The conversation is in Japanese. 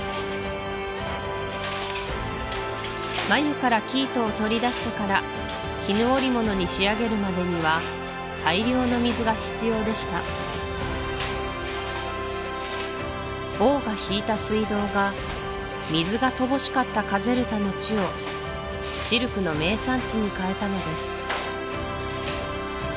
繭から生糸を取り出してから絹織物に仕上げるまでには大量の水が必要でした王が引いた水道が水が乏しかったカゼルタの地をシルクの名産地に変えたのです